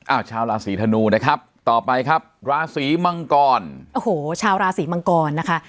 ชาวราศีธนูนะครับต่อไปครับราศีมังกรโอ้โหชาวราศีมังกรนะคะ